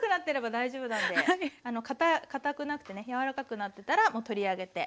かたくなくてね柔らくなってたらもう取り上げて。